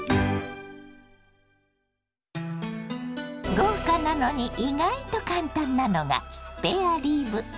豪華なのに意外と簡単なのがスペアリブ。